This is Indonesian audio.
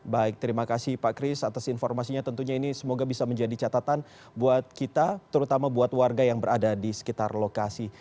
baik terima kasih pak kris atas informasinya tentunya ini semoga bisa menjadi catatan buat kita terutama buat warga yang berada di sekitar lokasi